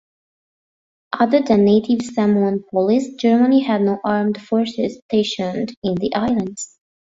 Other than native Samoan police, Germany had no armed forces stationed in the islands.